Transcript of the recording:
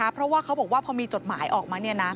เพราะว่าเขาบอกว่าพอมีจดหมายออกมา